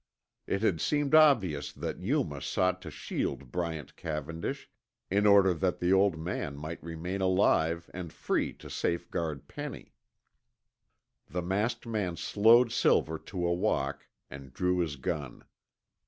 It had seemed obvious that Yuma sought to shield Bryant Cavendish, in order that the old man might remain alive and free to safeguard Penny. The masked man slowed Silver to a walk, and drew his gun.